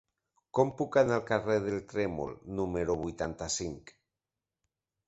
Com puc anar al carrer del Trèmol número vuitanta-cinc?